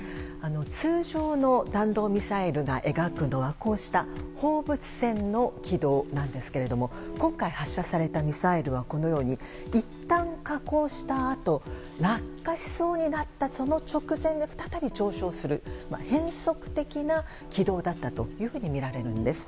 通常の弾道ミサイルが描くのはこうした放物線の軌道なんですが今回、発射されたミサイルはいったん下降したあと落下しそうになったその直前で再び上昇するという変則的な軌道だったというふうにみられるんです。